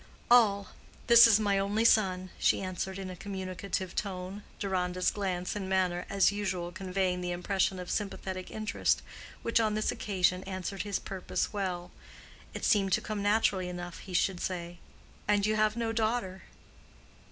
"All. This is my only son," she answered in a communicative tone, Deronda's glance and manner as usual conveying the impression of sympathetic interest—which on this occasion answered his purpose well. It seemed to come naturally enough that he should say, "And you have no daughter?"